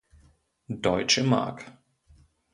Deutsche Mark.